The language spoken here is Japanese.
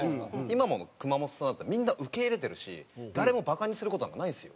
今も熊元さんだったらみんな受け入れてるし誰もバカにする事なんかないんですよ。